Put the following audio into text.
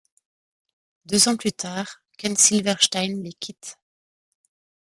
Deux ans plus tard, Ken Silverstein les quitte.